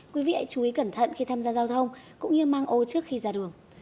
quý vị hãy chú ý cẩn thận khi tham gia giao thông cũng như mang ô trước khi ra đường